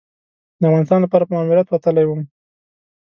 د افغانستان لپاره په ماموریت وتلی وم.